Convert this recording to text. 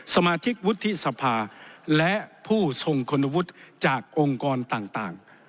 สมาชิกวุฒิสภาและผู้ทรงคุณวุฒิจากองค์กรต่าง